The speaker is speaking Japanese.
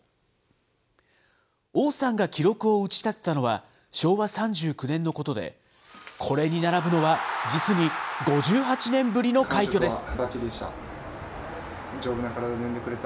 王さんが記録を打ち立てたのは、昭和３９年のことで、これに並ぶのは、実に５８年ぶりの快挙です。